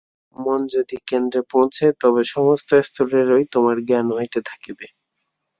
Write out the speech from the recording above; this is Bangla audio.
মন যদি কেন্দ্রে পৌঁছে, তবে সমস্ত স্তরেরই তোমার জ্ঞান হইতে থাকিবে।